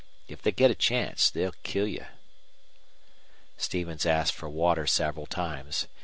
If they get a chance they'll kill you." Stevens asked for water several times.